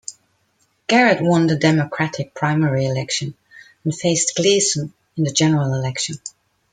Garrott won the Democratic primary election and faced Gleason in the general election.